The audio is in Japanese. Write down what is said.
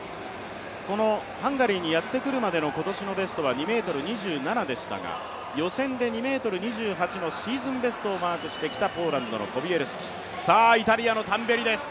このハンガリーにやってくるまでの今年のベストは２ｍ２７でしたが予選で２ｍ２８のシーズンベストをマークしてきたポーランドのコビエルスキさあ、イタリアのタンベリです。